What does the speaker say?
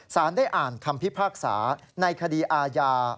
สารได้อ่านคำพิพากษาในคดีอาญา